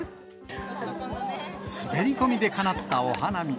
滑り込みでかなったお花見。